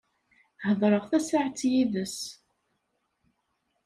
Hedreɣ tasaɛet yid-s.